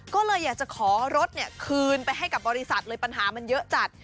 ก็เลยอยากจะขอรถคืนไปให้กับบริษัทเลยปัญหามันเยอะจัด